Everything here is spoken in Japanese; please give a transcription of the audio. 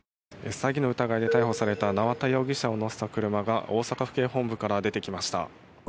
詐欺の疑いで逮捕された縄田容疑者を乗せた車が大阪府警本部から出てきました。